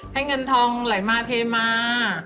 ให้เงินทองไหลมาเทมา